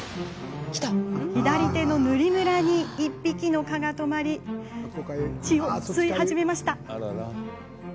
左手の塗りムラに１匹の蚊が止まり血を吸い始めました。